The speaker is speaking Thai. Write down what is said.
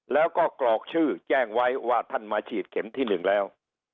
แล้วก็กรอกชื่อแจ้งไว้ว่าท่านมาฉีดเข็มที่๑แล้ว